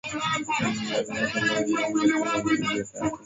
na almasi ambazo zilikuwa zinapatikana katika njia tata